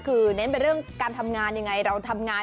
คือเน้นเป็นเรื่องการทำงานยังไง